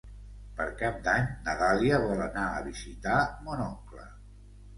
Per Cap d'Any na Dàlia vol anar a visitar mon oncle.